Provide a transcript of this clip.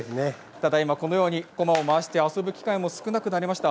ただ今、このようにこまを回して遊ぶ機会も少なくなりました。